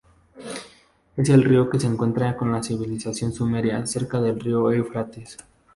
Es el río en que se encuentra la civilización sumeria, cerca del río Éufrates.